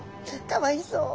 かわいそう。